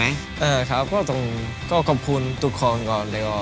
เออครับก็ต้องก็ขอบคุณทุกคนก่อนเลยว่า